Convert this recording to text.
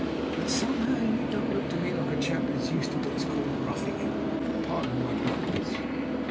"But somehow you don't look to me like a chap that is used to what is called roughing it. Pardon my bluntness."